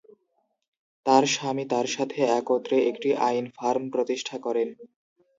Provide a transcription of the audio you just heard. তার স্বামী তার সাথে একত্রে একটি আইন ফার্ম প্রতিষ্ঠা করেন।